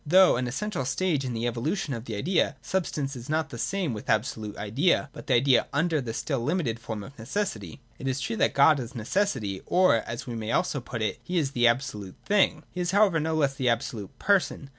Though an essential stage in the evolution of the idea, substance is not the same with abso lute Idea, but the idea under the still limited form of neces sity. It is true that God is necessity, or, as we may also put it, that He is the absolute Thing : He is however no less the absolute Person.